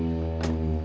silakan pak komar